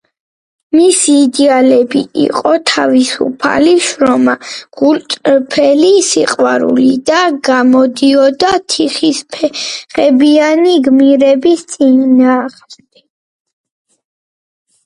მისი იდეალები იყო თავისუფალი შრომა, გულწრფელი სიყვარული და გამოდიოდა „თიხის ფეხებიანი“ გმირების წინააღმდეგ.